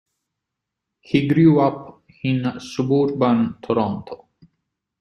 He grew up in suburban Toronto.